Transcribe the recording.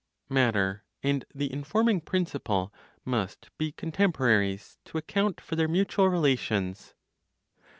MATTER AND THE INFORMING PRINCIPLE MUST BE CONTEMPORARIES TO ACCOUNT FOR THEIR MUTUAL RELATIONS.